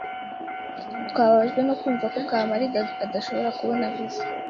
Twababajwe no kumva ko Kamaliza adashobora kubona visa.